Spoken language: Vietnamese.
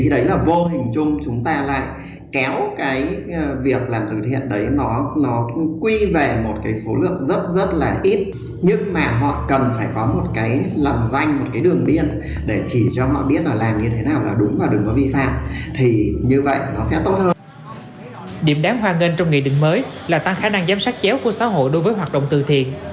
điểm đáng hoan nghênh trong nghị định mới là tăng khả năng giám sát chéo của xã hội đối với hoạt động từ thiện